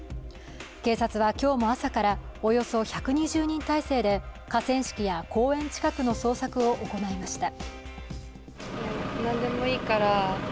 警察は今日も朝からおよそ１２０人態勢で河川敷や公園近くの捜索を行いました。